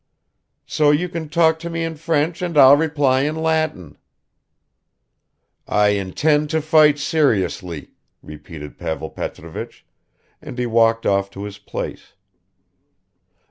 So you can talk to me in French and I'll reply in Latin." "I intend to fight seriously," repeated Pavel Petrovich and he walked off to his place.